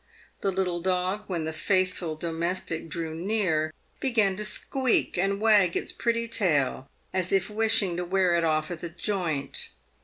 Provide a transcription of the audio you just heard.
The little dog, when the faithful domestic drew near, began to squeak and wag its pretty tail as if wishing to wear it off at the joint.